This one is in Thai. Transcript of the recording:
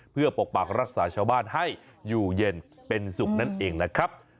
เพื่อปกปักรักษาชาวบ้านให้อยู่เย็นเป็นสุขนั่นเองนะครับ